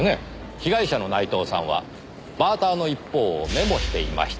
被害者の内藤さんはバーターの一方をメモしていました。